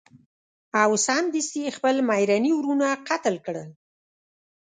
او سمدستي یې خپل میرني وروڼه قتل کړل.